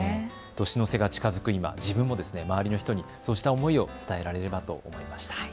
年の瀬が近づく今、自分も周りの人にそうした思いを伝えられればと思いました。